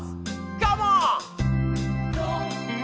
カモーン！